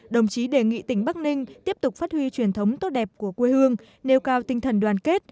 đồng chí đề nghị tỉnh bắc ninh tiếp tục phát huy truyền thống tốt đẹp của quê hương nêu cao tinh thần đoàn kết